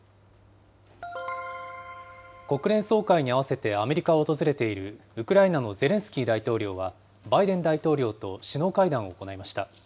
国連総会に合わせてアメリカを訪れているウクライナのゼレンスキー大統領は、バイデン大統領と首脳会談を行いました。